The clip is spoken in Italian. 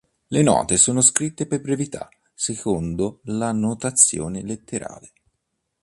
Le note sono scritte per brevità secondo la notazione letterale.